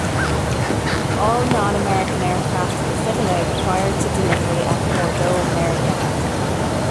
All non-American aircraft were fitted out prior to delivery at Bordeaux-Merignac.